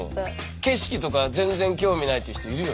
景色とか全然興味ないっていう人いるよね。